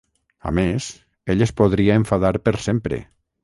A més, ell es podria enfadar per sempre.